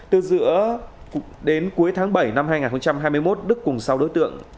từ giữa đến cuối tháng bảy năm hai nghìn hai mươi một đức cùng sáu đối tượng